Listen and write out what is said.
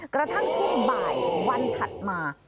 กระทั่งช่วงบ่ายวันถัดมา